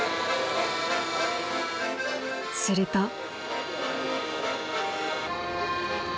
［すると］